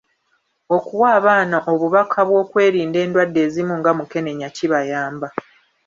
Okuwa abaana obubaka bw'okwerinda endwadde ezimu nga mukenenya kibayamba.